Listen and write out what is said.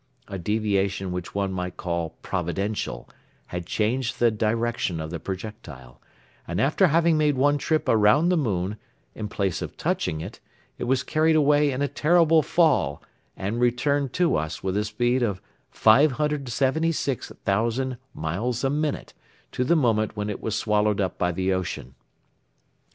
A deviation which one might call providential had changed the direction of the projectile, and after having made one trip around the moon, in place of touching it, it was carried away in a terrible fall and returned to us with a speed of 576,000 miles a minute to the moment when it was swallowed up by the ocean.